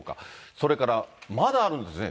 それから、まだあるんですね。